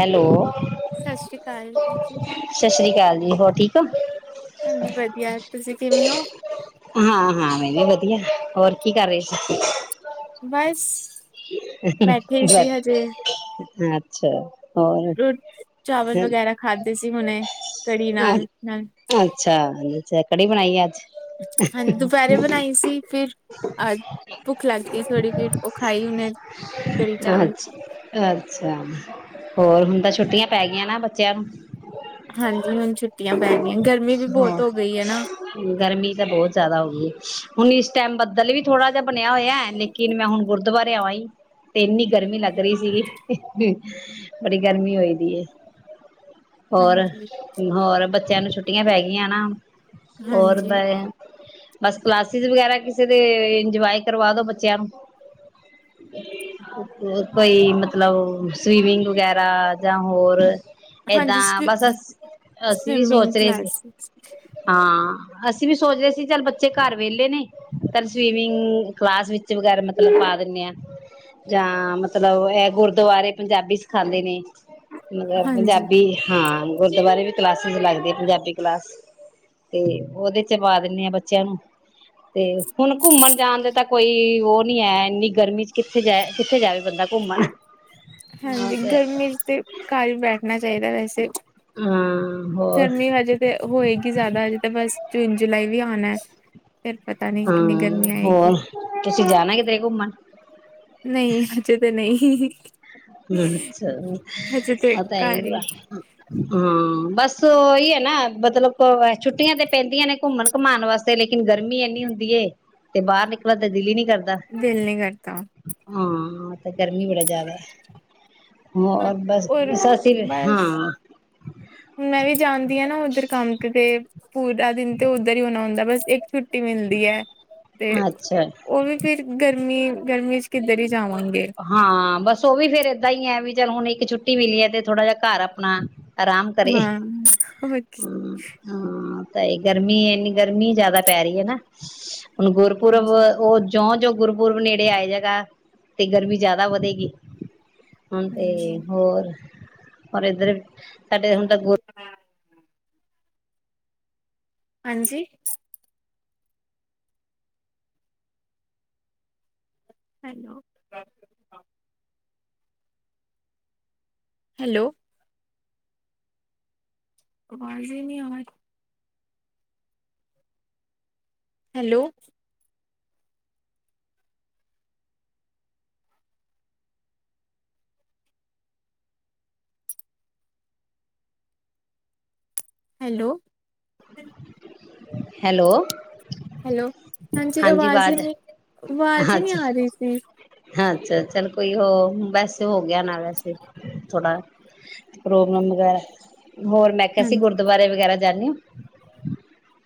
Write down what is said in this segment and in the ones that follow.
Hello ਸ਼ਾਸ਼ਰੀ ਕਾਲ ਜੀ। ਤੇ ਹੋਰ ਠੀਕ ਓ। ਹਾਂਜੀ ਵਧੀਆ ਤੁਸੀਂ ਕਿਵੇਂ ਓ? ਹਾਂ ਹਾਂ ਮੈਂ ਵੀ ਵਧੀਆ, ਹੋਰ ਕੀ ਕਰ ਰਹੇ ਤੁਸੀਂ। ਬਸ। ਬੈਠੇ ਹੀ ਸੀ ਹਜੇ [inaudible] ਅੱਛਾ। ਹੋਰ ਰੋ ਚਾਵਲ ਵਗੈਰਾ ਖਾਧੇ ਸੀ ਹੁਣੇ, ਕੜੀ ਨਾਲ ਹੂੰ। ਅੱਛਾ ਅੱਛਾ ਕੜੀ ਬਣਾਈ ਏ ਅੱਜ। ਹਾਂਜੀ ਦੁਪਹਿਰੇ ਬਣਾਈ ਸੀ, ਫਿਰ ਅਹ ਭੁੱਖ ਲੱਗ ਗਈ ਥੋੜ੍ਹੀ, ਫਿਰ ਉਹ ਖਾਈ। ਹੁਣੇ ਕੜੀ ਚਾਵਲ ਅਛ ਅੱਛਾ। ਹੋਰ ਹੁਣ ਤਾਂ ਛੁੱਟੀਆਂ ਪੈ ਗਈਆਂ ਨਾ ਬੱਚਿਆਂ ਨੂੰ। ਹਾਂਜੀ, ਹੁਣ ਛੁੱਟੀਆਂ ਪੈ ਗਈਆਂ, ਗਰਮੀ ਵੀ ਬਹੁਤ ਹੋਰ ਹੋ ਗਈ ਹੈ ਨਾ। ਗਰਮੀ ਤਾਂ ਬਹੁਤ ਜ਼ਿਆਦਾ ਹੋ ਗਈ ਹੁਣ ਇਸ ਟਾਈਮ ਬਦਲ ਵੀ ਥੋੜਾ ਜਿਹਾ ਬਣਿਆ। ਹੋਇਆ ਲੇਕਿਨ ਮੈਂ ਹੁਣ ਗੁਰਦੁਆਰੇ [inaudible] ਤੇ ਇੰਨੀ ਗਰਮੀ ਲੱਗ ਰਹੀ ਸੀਗੀ। ਬੜੀ ਗਰਮੀ ਹੋਈ ਦੀ ਏ। ਹੋਰ ਹਾਂਜੀ ਹੋਰ ਬੱਚਿਆਂ ਨੂੰ ਛੁੱਟੀਆਂ ਪੈ ਗਈਆਂ ਨਾ। ਹੋਰ ਹਾਂਜੀ ਬਸ ਕਲਾਸਿਸ ਵਗੈਰਾ, ਕਿਸੇ ਦੇ ਇੰਜੋਯ ਕਰਵਾ ਦੋ ਬੱਚਿਆਂ ਨੂੰ। ਹੋਰ ਕੋਈ ਮਤਲਬ ਸਵੀਮਿੰਗ ਵਗੈਰਾ, ਜਾਂ ਹੋਰ ਹਾਂਜੀ ਏਦਾਂ ਬਸ ਅ ਸਵਿ- ਅਸੀਂ ਵੀ ਸਵਿਮਿੰਗ ਸੋਚ ਰਹੇ ਸੀ, ਕਲਾਸਿਸ ਹਾਂ। ਅਸੀਂ ਵੀ ਸੋਚਦੇ ਸੀ, ਚੱਲ ਬੱਚੇ ਘਰ ਵਿਹਲੇ ਨੇ, ਪਰ ਸਵੀਮਿੰਗ ਕਲਾਸ ਵਿੱਚ ਵਗੈਰਾ ਮਤਲਬ ਪਾ ਦੇ ਜਾਂ ਮਤਲਬ ਇਹ ਗੁਰਦੁਆਰੇ ਪੰਜਾਬੀ ਸਿਖਾਉਂਦੇ ਨੇ। ਮਤਲਬ ਹਾਂਜੀ ਪੰਜਾਬੀ ਹਾਂ। ਗੁਰਦੁਆਰੇ ਵੀ ਕਲਾਸਿਸ ਲੱਗਦੇ ਪੰਜਾਬੀ ਕਲਾਸ, ਤੇ ਉਹਦੇ ਚ ਪਾ ਦਿੰਦੇ ਆ ਬੱਚਿਆਂ ਨੂੰ, ਤੇ ਹੁਣ ਘੁੰਮਣ ਜਾਣ ਦੇ ਤਾਂ ਕੋਈ ਉਹ ਨੀ ਹੈ ਇੰਨੀ ਗਰਮੀ ਚ ਕਿੱਥੇ ਜਾ ਕਿੱਥੇ ਜਾਵੇ ਬੰਦਾ ਘੁੰਮਣ ਹਾਂ ਹਾਂਜੀ, ਤੇ ਗਰਮੀ ਚ ਤੇ ਘਰ ਵੀ ਬੈਠਣਾ ਚਾਹੀਦਾ ਵੈਸੇ, ਹਾਂ ਹੋਰ ਗਰਮੀ ਹਜੇ ਤੇ ਹੋਏਗੀ ਜ਼ਿਆਦਾ ਹਜੇ, ਤਾਂ ਬਸ ਜੂਨ ਜੁਲਾਈ ਵੀ [unintelligible] ਕਿੰਨੀ ਹਾਂ, ਗਰਮੀ ਆਏਗੀ ਹੋਰ ਤੁਸੀਂ ਜਾਣਾ ਕਿਧਰੇ ਘੁੰਮਣ। ਨਹੀਂ, ਹਜੇ ਤਾਂ ਨਹੀਂ। ਹਜੇ ਤੇ ਅੱਛਾ, ਤਾਂ ਇਹ ਘਰ ਹਾਂ ਹੀ ਬੱਸ। ਬੱਸ ਉਹੀ ਹੈ ਨਾ, ਮਤਲਬ ਛੁੱਟੀਆਂ ਤੇ ਪੈਂਦੀਆਂ ਨੇ ਘੁੰਮਣ ਘੁਮਾਉਣ ਵਾਸਤੇ, ਲੇਕਿਨ ਗਰਮੀ ਇੰਨੀ ਹੁੰਦੀ ਏ ਤੇ ਬਾਹਰ ਨਿਕਲਣ ਤਾਂ ਦਿਲ ਨੀ ਕਰਦਾ ਦਿਲ ਨੀ ਕਰਦਾ। ਹਾਂ ਤੇ ਗਰਮੀ ਬੜਾ ਜ਼ਿਆਦਾ ਹੈ ਹੋਰ ਬਸ ਹੋਰ ਬਸ ਅਸੀਂ ਬਸ ਹਾਂ ਮੈਂ ਵੀ ਜਾਣਦੀ ਹਾਂ ਨਾ ਉੱਧਰ ਕੰਮ ਤੇ ਪੂਰਾ ਦਿਨ ਤੇ ਉੱਧਰ ਹੀ ਹੋਣਾ ਹੁੰਦਾ ਬਸ ਇੱਕ ਛੁੱਟੀ ਛੁੱਟੀ ਮਿਲਦੀ ਹੈ ਤੇ ਅੱਛਾ ਉਹ ਵੀ ਫਿਰ ਗਰਮੀ ਗਰਮੀ ਕੀ ਦਰੀ ਹਾਂ ਬਸ ਉਹ ਵੀ ਫੇਰ ਏਦਾਂ ਹੀ ਹੈ ਵੀ ਚੱਲ ਹੁਣ ਇੱਕ ਛੁੱਟੀ ਮਿਲੀ ਹੈ ਤੇ ਥੋੜਾ ਜਿਹਾ ਘਰ ਆਪਣਾ ਆਰਾਮ ਕਰੇ ਹਾਂ ਹੋਰ ਕੀ। ਹਮ ਹਮ ਤਾਂ ਇਹ ਗਰਮੀ ਇਨੀ ਗਰਮੀ ਜਿਆਦਾ ਪੈ ਰਹੀ ਹੈ ਨਾ ਹੁਣ ਗੁਰਪੁਰਬ ਹਾਂਜੀ ਗੁਰਪੁਰਬ ਨੇੜੇ ਆਏ ਜੇਗਾ ਤੇ ਗਰਮੀ ਜ਼ਿਆਦਾ ਵਧੇਗੀ ਹਾਂ ਤੇ ਹਾਂਜੀ ਹੋਰ ਔਰ ਇੱਧਰ ਸਾਡੇ ਹੁਣ ਤੱਕ ਹਾਂਜੀ ਹੈਲੋ ਹੈਲੋ ਵਾਜ ਨਹੀਂ ਆ ਰਹੀ ਹੈਲੋ ਹੈਲੋ ਹੈਲੋ ਹੈਲੋ ਹਾਂਜੀ ਅਵਾਜ਼ ਹੀ ਨਹੀਂ ਅਵਾਜ਼ ਹੀ ਨਹੀਂ ਆ ਰਹੀ ਸੀ ਹਾਂਛਾ ਚੱਲ ਕੋਈ ਉਹ ਬਸ ਹੋਗ ਗਿਆ ਨਾਲ ਵੈਸੇ ਥੋੜਾ ਪ੍ਰੋਗਰਾਮ ਵਗੈਰਾ ਹੋਰ ਮੈਂ ਕਿਹਾ ਸੀ ਹਾਂਜੀ ਗੁਰਦੁਆਰੇ ਵਗੈਰਾ ਜਾਂਦੇ ਹੋ [inaudible]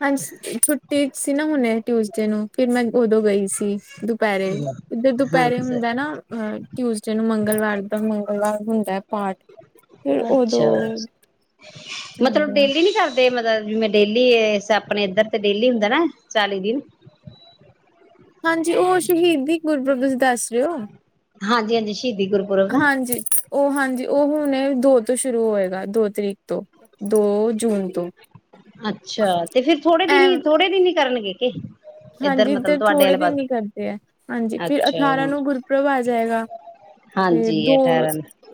ਹਾਂਜੀ ਛੁੱਟੀ ਸੀ ਨਾ ਹੁਣੇ ਟਿਊਸਡੇ ਨੂੰ ਫਿਰ ਮੈਂ ਉਦੋਂ ਗਈ ਸੀ ਦੁਪਹਿ ਜਦੋਂ ਹੋ ਦੁਪਹਿਰੇ ਅੱਛਾ ਹੁੰਦਾ ਨਾ ਟਿਊਸਡੇ ਨੂੰ ਮੰਗਲਵਾਰ ਦੇ ਮੰਗਲਵਾਰ ਹੁੰਦਾ ਪਾਠ ਫਿਰ ਅੱਛਾ ਉਦੋਂ ਤੇ ਮਤਲਬ ਜਿਵੇਂ ਡੇਲੀ ਆਪਣੇ ਇੱਧਰ ਤੇ ਡੇਲੀ ਹੁੰਦਾ ਨਾ ਚਾਲੀ ਦਿਨ ਹਾਂਜੀ ਉਹ ਸ਼ਹੀਦੀ ਗੁਰਪ੍ਰਬ ਸੀ ਦੱਸ ਰਹੇ ਹੋ ਹਾਂਜੀ ਹਾਂਜੀ ਸ਼ਹੀਦੀ ਗੁਰਪੁਰਬ ਦਾ ਹਾਂਜੀ ਉਹ ਹਾਂਜੀ ਉਹ ਹੁਣ ਦੋ ਤੋਂ ਸ਼ੁਰੂ ਹੋਏਗਾ ਦੋ ਤਰੀਕ ਤੋਂ ਦੋ ਜੂਨ ਤੋਂ ਅੱਛਾ ਤੇ ਫਿਰ ਥੋੜੇ ਦਿਨ ਐ ਹੀ ਥੋੜੇ ਦਿਨ ਹੀ ਕਰਨਗੇ [unintelligible] ਹਾਂਜੀ ਮਤਲਬ ਇੱਧਰ ਤੁਹਾਡੇ ਥੋੜੇ ਵਾਲੇ ਦਿਨ ਹੀ ਪਾਸੇ ਕਰਦੇ ਹੈ ਹਾਂਜੀ ਫਿਰ ਅੱਛਾ ਅਠਾਰਾਂ ਨੂੰ ਗੁਰਪ੍ਰਬ ਆ ਜਾਏਗਾ ਤੇ ਹਾਂਜੀ ਦੋ ਅਠਾਰਾਂ ਨੂੰ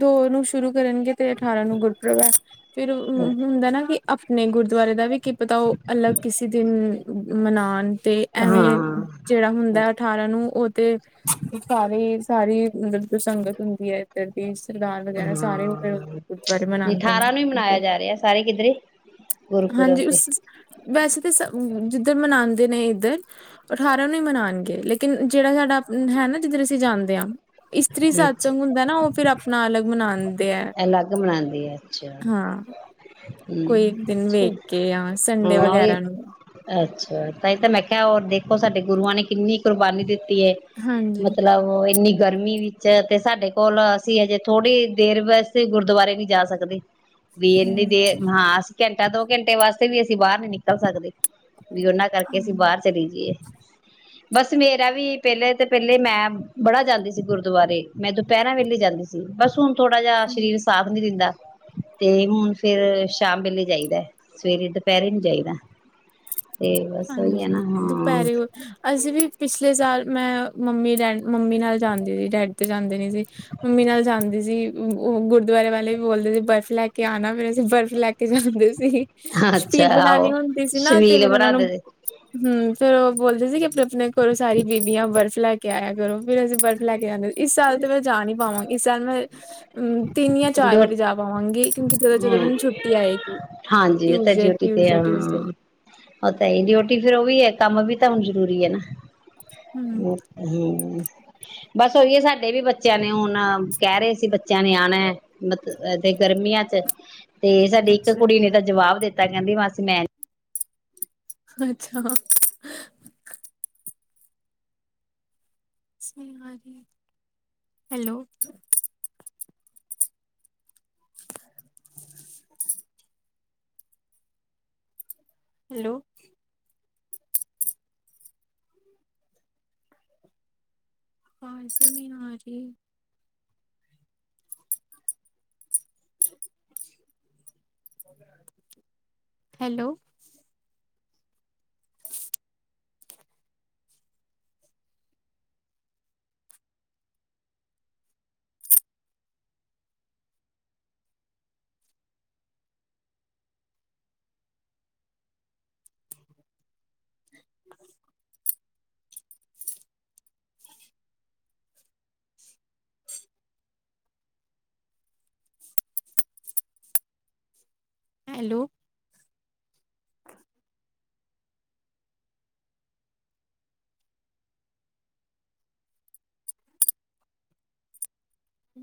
ਦੋ ਨੂੰ ਸ਼ੁਰੂ ਕਰਨਗੇ ਤੇ ਅਠਾਰਾਂ ਨੂੰ ਗੁਰਪ੍ਰਬਾ ਫਿਰ ਹੁੰਦਾ ਨਾ ਕਿ ਆਪਣੇ ਗੁਰਦੁਆਰੇ ਦਾ ਵੀ ਕੀ ਪਤਾ ਉਹ ਅਲੱਗ ਕਿਸੇ ਦਿਨ ਮਨਾ ਤੇ ਐਵੇਂ ਹਾਂ ਜਿਹੜਾ ਹੁੰਦਾ ਅਠਾਰਾਂ ਨੂੰ ਉਹ ਤੇ ਸਾਰੇ ਸਾਰੀ ਮਤਲਬ ਜੋ ਸੰਗਤ ਹੁੰਦੀ ਹੈ ਏਦਾਂ ਦੀ ਸਰਦਾਰ ਵਗੈਰਾ ਸਾਰੇ ਉਹ ਫਿਰ ਹਾਂ ਗੁਰਦਆਾਰੇ ਮਨਾਣਦੇ ਨੇ ਅਠਾਰਾਂ ਨੂੰ ਹੀ ਮਨਾਇਆ [unintelligible] ਜਾ ਰਿਹਾ ਸਾਰੇ ਕਿੱਧਰੇ ਗੁਰਪੁਰਬ ਹਾਂਜੀ ਤੇ ਉਸ ਵੈਸੇ [unintelligible] ਜਿੱਧਰ ਮਨਾਉ ਨੇ ਇੱਧਰ ਅਠਾਰਾਂ ਨੂੰ ਹੀ ਮਨਾਣਗੇ ਲੇਕਿਨ ਜਿਹੜਾ ਸਾਡਾ ਹੈ ਨਾ ਜਿੱਧਰ ਅਸੀਂ ਜਾਂਦੇ ਹਾਂ ਇਸਤਰੀ ਅੱਛਾ ਸਤਸੰਗ ਹੁੰਦਾ ਨਾ ਉਹ ਫਿਰ ਆਪਣਾ ਅਲੱਗ [unintelligible] ਅਲੱਗ ਬਣਾਂਦੇ ਆ ਅੱਛਾ ਹਾਂ ਕੋਈ ਇੱਕ ਦਿਨ ਵੇਖ ਹਮ ਕੇ ਜਾਂ ਸੰਡੇ ਹਾਂ ਉਹ ਵਗੈਰਾ ਨੂੰ ਅੱਛਾ ਤਾਂ ਹੀ ਤਾਂ ਮੈਂ ਕਿਹਾ ਹੋਰ ਦੇਖੋ ਸਾਡੇ ਗੁਰੂਆਂ ਨੇ ਕਿੰਨੀ ਕੁਰਬਾਨੀ ਦਿੱਤੀ [unintelligible] ਹਾਂਜੀ ਮਤਲਬ ਉਹ ਇੰਨੀ ਗਰਮੀ ਵਿੱਚ ਤੇ ਸਾਡੇ ਕੋਲ ਅਸੀਂ ਹਜੇ ਥੋੜੀ ਦੇਰ ਵ [unintelligible] ਗੁਰਦੁਆਰੇ ਵੀ ਜਾ ਸਕਦੇ ਹਮ [unintelligible] ਘੰਟਾ ਦੋ ਘੰਟੇ ਵਾਸਤੇ ਵੀ ਅਸੀਂ ਬਾਹਰ ਨੀ ਨਿਕਲ ਸਕਦੇ ਬਈ ਉਹਨਾਂ ਕਰਕੇ ਅਸੀਂ ਬਾਹਰ ਹਮ ਚੱਲੇ ਜਾਈਏ ਬਸ ਮੇਰਾ ਵੀ ਪਹਿਲੇ ਤੇ ਪਹਿਲੇ ਮੈਂ ਬੜਾ ਜਾਂਦੀ ਸੀ ਗੁਰਦੁਆਰੇ ਮੈਂ ਦੁਪਹਿਰਰਾ ਵੇਲੇ ਜਾਂਦੀ ਸੀ ਬਸ ਹੁਣ ਥੋੜਾ ਸਰੀਰ ਸਾਥ ਨਹੀ ਦਿੰਦਾ ਤੇ ਹੁਣ ਫੇਰ ਸ਼ਾਮ ਵੇਲੇ ਜਾਈਦਾ ਸਵੇਰੇ ਦੁਪਹਿਰੇ ਨੀ ਜਾਈਦਾ ਤੇ ਬਸ ਉਹੀ ਹੈ ਹਾਂਜੀ ਨਾ ਦੁਪਹਿਰੇ ਅਸੀਂ ਵੀ ਪਿਛਲੇ ਸਾਲ ਮੈਂ ਮੰਮੀ ਡੈਡੀ ਮੰਮੀ ਨਾਲ ਜਾਂਦੀ ਸੀ ਡੈਡੀ ਤੇ ਜਾਂਦੇ ਨੀ ਸੀ ਮੰਮੀ ਨਾਲ ਜਾਂਦੀ ਸੀ ਉਹ ਗੁਰਦੁਆਰੇ ਵਾਲੇ ਵੀ ਬੋਲਦੇ ਸੀ ਬਰਫ਼ ਲੈ ਕੇ ਆਉਣਾ ਫੇਰ ਅਸੀ ਬਰਫ਼ ਲੈ ਕੇ [unintelligible] ਹਾਂ ਅੱਛਾ ਛੱਬੀਲ ਬਣਾਣੀ ਆਹੋ ਹੁੰਦੀ ਸੀ ਨਾ ਤੇ ਸ਼ਵੀਲ ਫਿਰ ਉਹਨਾਂ ਨੂੰ ਬਣਾਦੇ ਦੇ ਹਮ ਫਿਰ ਉਹ ਬੋਲਦੇ ਸੀ ਕਿ ਆਪਣੇ ਆਪਣੇ ਘਰੋਂ ਸਾਰੀ ਬੀਬੀਆਂ ਬਰਫ਼ ਲੈ ਕੇ ਆਇਆ ਕਰੋ ਫਿਰ ਅਸੀਂ ਬਰਫ਼ ਲੈ ਕੇ ਜਾਂਦੇ ਸੀ ਇਸ ਸਾਲ ਤੇ ਮੈਂ ਜਾ ਨੀ ਪਾਵਾਂਗੀ [unintelligible] ਤਿੰਨ ਜਾਂ ਚਾਰ ਡਿਊ ਵਾਰੀ ਜਾ ਪਾਵਾਂਗੀ ਕਿਉਂਕਿ ਜਦੋਂ ਜਦੋਂ ਹਮ ਮੈਨੂੰ ਛੁੱਟੀ ਆਏਗੀ ਹਾਂਜੀ ਉਹ ਤਾਂ ਟਿਊਜ਼ਡੇ ਡਿਊਟੀ ਤੇ ਟਿਊਜ਼ਡੇ ਟਿਊਜ਼ਡੇ ਫੇਿਰ ਉਹ ਵੀ ਕੰਮ ਵੀ ਤਾਂ ਹੁਣ ਜਰੂਰੀ ਹੈ ਨਾ ਹਮ ਹਮ ਬਸ ਉਹੀਏ ਸਾਡੇ ਵੀ ਬੱਚਿਆਂ ਨੇ ਹੁਣ ਕਹਿ ਰਹੇ ਸੀ ਬੱਚਿਆਂ ਨਿਆਣਾ ਮਤਲਬ ਤੇ ਗਰਮੀਆਂ ਚ ਤੇ ਸਾਡੀ ਇੱਕ ਅੱਛਾ ਕੁੜੀ ਨੇ ਤਾਂ ਜਵਾਬ ਦਿੱਤਾ। ਤਾ ਕਹਿੰਦੀ ਮਾਸੀ ਮੈਂ ਅੱਛਾ ਹੈਲੋ ਹੈਲੋ ਹਾਂ ਸੁ ਨ ਨਾ ਰ ਹੈਲੋ ਹੈਲੋ ਹ